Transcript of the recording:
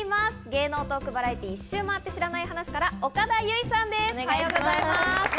芸能トークバラエティー『１周回って知らない話』から岡田結実さんです。